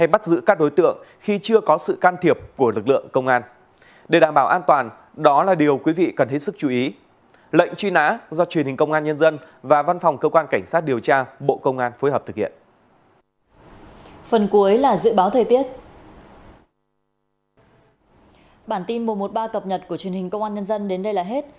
bản tin mùa một ba cập nhật của truyền hình công an nhân dân đến đây là hết